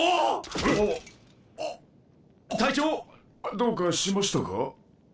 どうかしましたか？